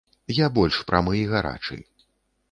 Я больш прамы і гарачы.